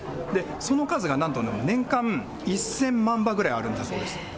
その数がなんと年間１０００万羽ぐらいあるそうなんです。